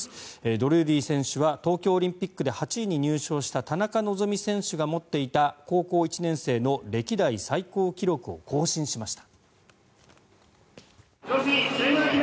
ドルーリー選手は東京オリンピックで８位に入賞した田中希実選手が持っていた高校１年生の歴代最高記録を更新しました。